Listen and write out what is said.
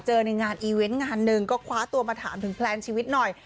ในงานอีเวนต์งานหนึ่งก็คว้าตัวมาถามถึงแพลนชีวิตหน่อย